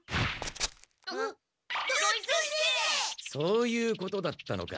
そういうことだったのか。